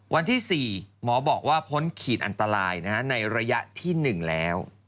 วันที่๔หมอบอกว่าพ้นขีดอันตรายในระยะที่๑แล้ว